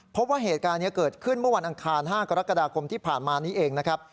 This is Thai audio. พบว่าเหตุการณ์นี้เกิดขึ้นเมื่อวันอังคาร๕กรกฎาคมที่ผ่านมานี้เองนะครับ